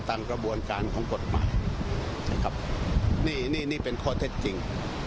ตามกระบวนการของกฎหมายนะครับนี่นี่เป็นข้อเท็จจริง